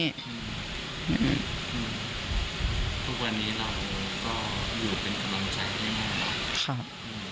ทุกวันนี้เราก็อยู่ขวัญใจที่เมื่อไหร่